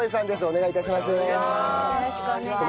お願い致します。